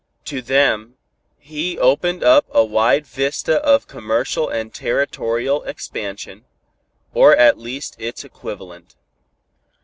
To them, he opened up a wide vista of commercial and territorial expansion, or at least its equivalent.